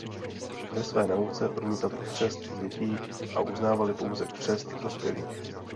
Ve své nauce odmítali křest dětí a uznávali pouze křest dospělých.